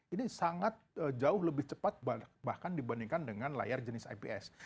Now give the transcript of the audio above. ini sangat jauh lebih cepat bahkan dibandingkan dengan layar jenis ips